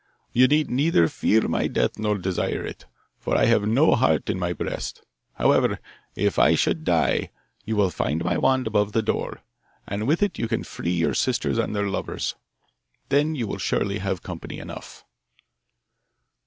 'You need neither fear my death nor desire it, for I have no heart in my breast! However, if I should die, you will find my wand above the door, and with it you can set free your sisters and their lovers. Then you will surely have company enough.